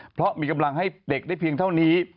เพราะมีกำลังให้เด็กได้เพียงเท่านี้